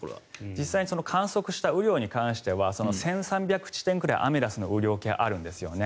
実際に観測した雨量に関しては１３００地点くらいアメダスの雨量計あるんですよね。